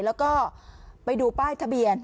แล้วก็ไปดูป้ายทะเบียน